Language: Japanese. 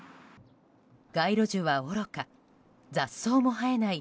街路樹はおろか雑草も生えない